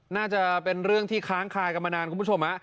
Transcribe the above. น่าจะเป็นเรื่องที่ค้างคายกันมานานคุณผู้ชม